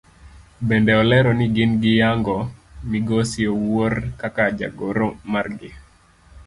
Bende olero ni gin giyango migosi Owuor kaka jagoro margi.